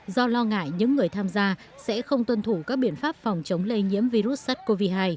do lo ngại những người tham gia sẽ không tuân thủ các biện pháp phòng chống lây nhiễm virus sars cov hai